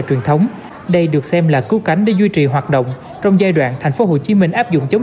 truyền thống đây được xem là cứu cánh để duy trì hoạt động trong giai đoạn tp hcm áp dụng chống